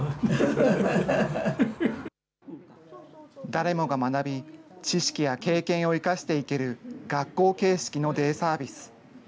誰もが学び、知識や経験を生かしていける学校形式のデイサービス。